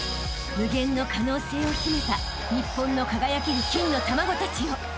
［無限の可能性を秘めた日本の輝ける金の卵たちよ］